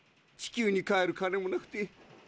地球に帰る金もなくて。